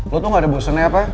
lo tuh gak ada bosannya apa